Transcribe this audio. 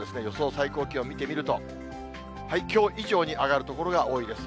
最高気温見てみると、きょう以上に上がる所が多いです。